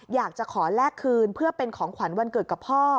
อยากจะขอแลกคืนเพื่อเป็นของขวัญวันเกิดกับพ่อ